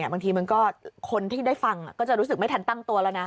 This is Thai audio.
บางทีมันก็คนที่ได้ฟังก็จะรู้สึกไม่ทันตั้งตัวแล้วนะ